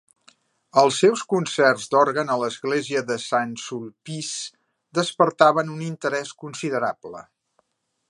Els seus concerts d'òrgan a l'església de Saint Sulpice despertaven un interès considerable.